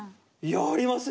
やりますね！